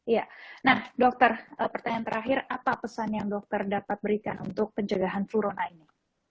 iya nah dokter pertanyaan terakhir apa pesan yang dokter dapat berikan untuk pencegahan flurona ini